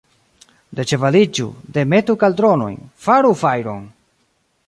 Deĉevaliĝu, demetu kaldronojn, faru fajron!